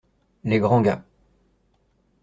Les grands gars.